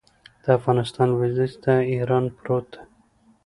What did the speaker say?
د افغانستان لویدیځ ته ایران پروت دی